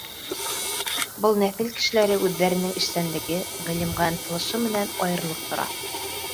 Был нәҫел кешеләре үҙҙәренең эшсәнлеге, ғилемгә ынтылышы менән айырылып тора.